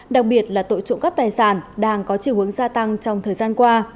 đặc biệt là tội trụng cấp tài sản đang có chiều hướng gia tăng trong thời gian qua